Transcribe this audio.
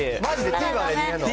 ＴＶｅｒで見れんの？